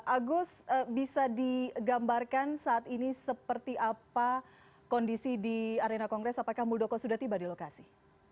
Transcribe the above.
agus bisa digambarkan saat ini seperti apa kondisi di arena kongres apakah muldoko sudah tiba di lokasi